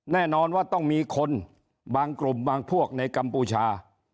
แน่นอนว่าต้องมีคนบางกลุ่มบางพวกในกัมพูชา